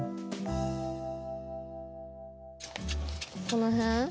この辺？